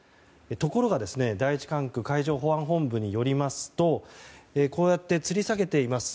ところが第１管区海上保安本部によりますとこうやってつり下げています